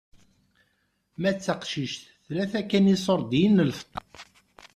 Ma d taqcict s tlata kan n iṣurdiyen n lfeṭṭa.